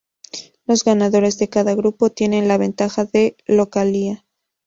Los ganadores de cada grupo tienen la ventaja de localía.